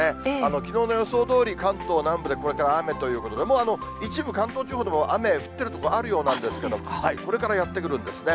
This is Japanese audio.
きのうの予想どおり関東南部でこれから雨ということで、もう一部、関東地方でも雨、降ってる所あるようなんですけれども、これからやって来るんですね。